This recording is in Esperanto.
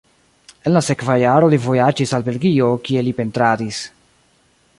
En la sekva jaro li vojaĝis al Belgio, kie li pentradis.